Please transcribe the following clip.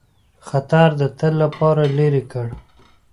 خطر د تل لپاره لیري کړ.